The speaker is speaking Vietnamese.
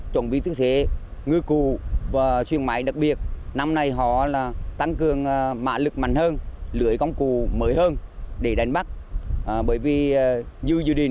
trong năm mới